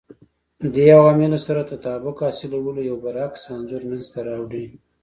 دې عواملو سره تطابق حاصلولو یو برعکس انځور منځته راوړي